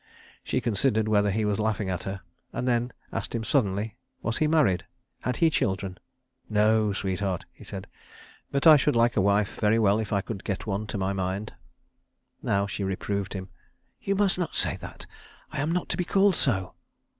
She considered whether he was laughing at her, and then asked him suddenly, was he married, had he children? "No, sweetheart," he said, "but I should like a wife very well if I could get one to my mind." Now she reproved him. "You must not say that. I am not to be called so."